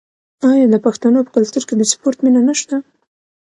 آیا د پښتنو په کلتور کې د سپورت مینه نشته؟